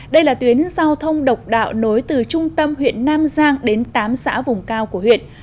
đây là tuyến giao thông độc đạo nối từ trung tâm huyện nam giang đến tám xã vùng cao của huyện